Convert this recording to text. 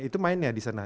itu mainnya di sana